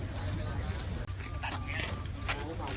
สวัสดีครับคุณผู้ชาย